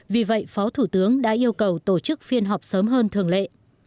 vì vậy phó thủ tướng đã yêu cầu tổ chức phiên họp sớm hơn thường lệ